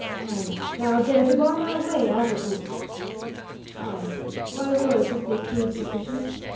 And thou dare to bar my way, Aztotl?" "Ay. By words if they prove sufficient.